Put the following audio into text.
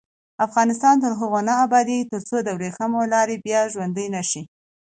افغانستان تر هغو نه ابادیږي، ترڅو د وریښمو لار بیا ژوندۍ نشي.